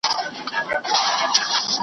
دې ښکاري ته رسېدلی یو کمال وو .